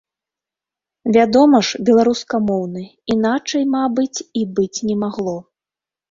Вядома ж, беларускамоўны, іначай, мабыць, і быць не магло.